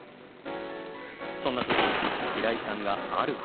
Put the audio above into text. そんな時平井さんがある発見を。